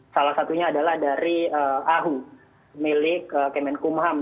salah satunya adalah dari ahu milik kemenkumham